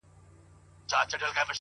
له خپل ځان سره ږغيږي.